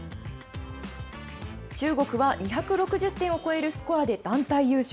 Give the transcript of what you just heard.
中国は２６０点を超えるスコアで、団体優勝。